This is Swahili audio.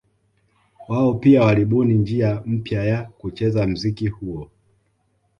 Wao pia walibuni njia mpya ya kucheza mziki huo